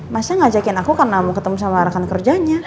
masya ngajakin aku karena mau ketemu sama rakan kerjanya